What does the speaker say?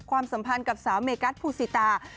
ความสัมพันธ์กับสาวเมิร์กัตส์ภูศิตร